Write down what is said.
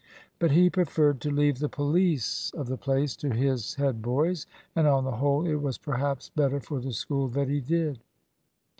But he preferred to leave the police of the place to his head boys; and on the whole it was perhaps better for the School that he did.